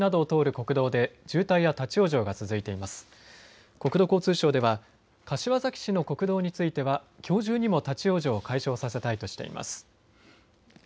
国土交通省では柏崎市の国道についてはきょう中にも立往生を解消させたいとしています。